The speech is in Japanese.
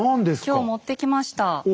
今日持ってきました。